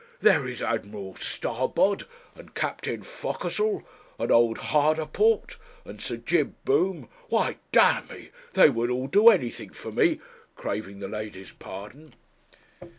'There is Admiral Starbod, and Captain Focassel, and old Hardaport, and Sir Jib Boom why, d n me, they would all do anything for me craving the ladies' pardon.'